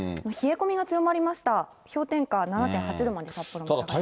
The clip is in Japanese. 冷え込みが強まりました、氷点下７．８度まで札幌が。